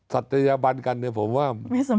ศัตยบันกันเนี่ยผมว่า